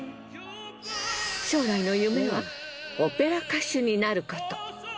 将来の夢はオペラ歌手になること。